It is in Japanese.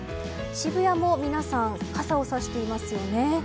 渋谷も皆さん傘をさしていますよね。